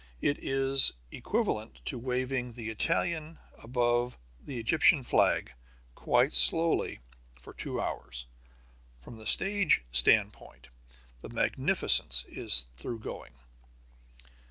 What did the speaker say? It is equivalent to waving the Italian above the Egyptian flag, quite slowly for two hours. From the stage standpoint, the magnificence is thoroughgoing.